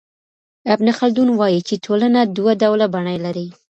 ابن خلدون وايي چي ټولنه دوه ډوله بڼې لري.